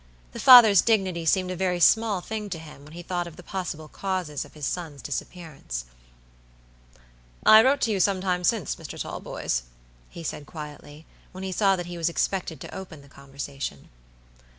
The father's dignity seemed a very small thing to him when he thought of the possible causes of the son's disappearance. "I wrote to you some time since, Mr. Talboys," he said quietly, when he saw that he was expected to open the conversation.